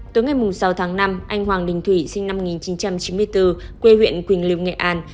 tối ngày sáu tháng năm anh hoàng đình thủy sinh năm một nghìn chín trăm chín mươi bốn quê huyện quỳnh lưu nghệ an